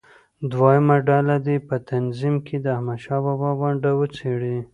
دویمه ډله دې په تنظیم کې د احمدشاه بابا ونډه وڅېړي.